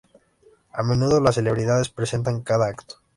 A menudo, las celebridades presentan cada acto.